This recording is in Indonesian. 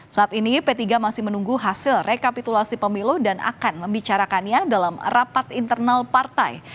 saat ini p tiga masih menunggu hasil rekapitulasi pemilu dan akan membicarakannya dalam rapat internal partai